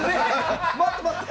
待って！